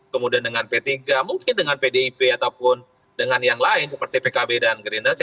kemudian dengan p tiga mungkin dengan pdip ataupun dengan yang lain seperti pkb dan gerindra